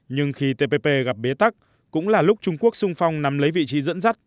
nhưng khi tpp gặp bế tắc cũng là lúc trung quốc sung phong nắm lấy vị trí dẫn dắt